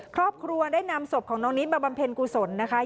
ครอบครัวได้นำศพของน้องนิดมาบำเพ็ญกุศลนะคะ